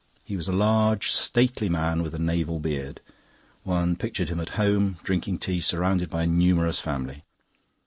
He was a large, stately man with a naval beard. One pictured him at home, drinking tea, surrounded by a numerous family.